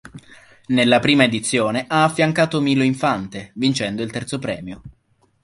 Nella prima edizione ha affiancato Milo Infante, vincendo il terzo premio.